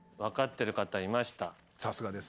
さすがです。